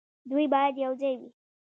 دوی باید یوځای وي.